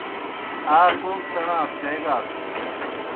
آ کوْم سیْݨا تھیگاس بوْ